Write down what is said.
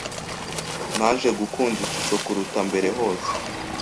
Naje gukunda ishusho kuruta mbere hose.